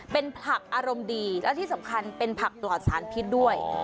เป็นผักอารมณ์ดีและที่สำคัญเป็นผักปลอดสารพิษด้วย